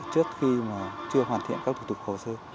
trước khi mà chưa hoàn thiện các thủ tục hồ sơ